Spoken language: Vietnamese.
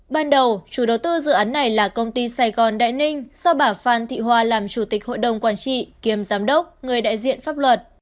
ban đầu chủ đầu tư dự án này là công ty sài gòn đại ninh do bà phan thị hoa làm chủ tịch hội đồng quản trị kiêm giám đốc người đại diện pháp luật